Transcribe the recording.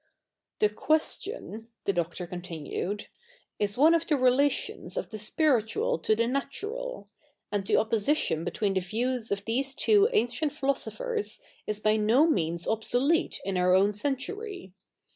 ' The question,^ the Doctor continued, ^ is 07ie of the relations of the spiritual to the 7iatural ; and the oppositio7i between the views of these tivo ancient philosophers is by no means obsolete i7i our own century.